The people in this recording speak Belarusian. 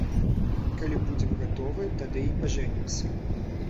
Калі будзем гатовыя, тады і пажэнімся.